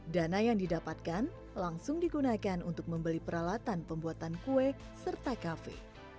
dana yang didapatkan langsung digunakan untuk membeli peralatan pembuatan kue serta kafe